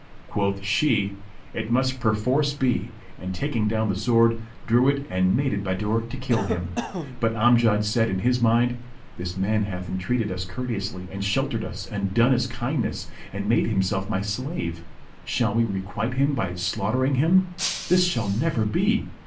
Quoth she, "It must perforce be;" and, taking down the sword, drew it and made at Bahadur to kill him; but Amjad said in his mind, "This man hath entreated us courteously and sheltered us and done us kindness and made himself my slave: shall we requite him by slaughtering him? This shall never be!"